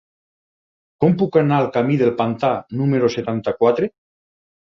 Com puc anar al camí del Pantà número setanta-quatre?